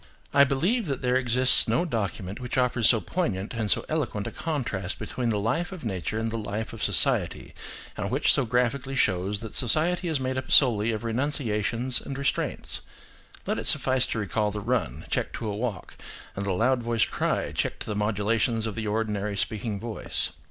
I believe that there exists no document which offers so poignant and so eloquent a contrast between the life of nature and the life of society, and which so graphically shows that society is made up solely of renunciations and restraints. Let it suffice to recall the run, checked to a walk, and the loud voiced cry, checked to the modulations of the ordinary speaking voice.